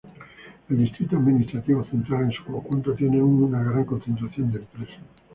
El Distrito Administrativo Central en su conjunto tiene una gran concentración de empresas.